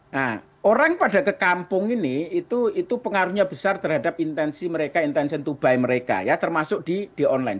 nah orang pada ke kampung ini itu pengaruhnya besar terhadap intensi mereka intensi to buy mereka ya termasuk di online